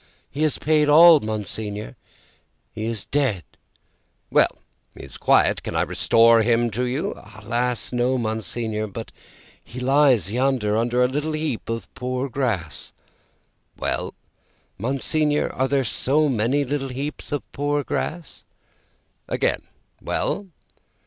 "He has paid all, Monseigneur. He is dead." "Well! He is quiet. Can I restore him to you?" "Alas, no, Monseigneur! But he lies yonder, under a little heap of poor grass." "Well?" "Monseigneur, there are so many little heaps of poor grass?" "Again, well?"